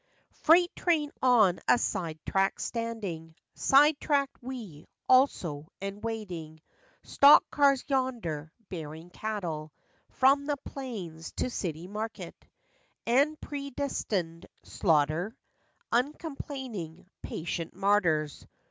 Freight train on a side track standing; Side tracked we, also, and waiting. Stock cars yonder, bearing cattle From the plains to city market, And predestinated slaughter, Uncomplaining, patient martyrs!